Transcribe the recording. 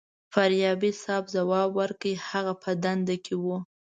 فاریابي صیب ځواب ورکړ هغه په دنده کې و.